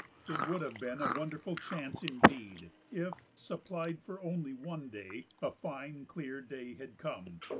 It would have been a wonderful chance, indeed, if, supplied only for one day, a fine, clear day had come.